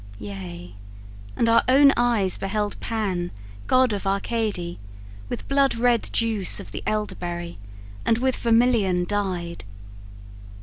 Yea, and our own eyes beheld Pan, god of Arcady, with blood red juice Of the elder berry, and with vermilion, dyed.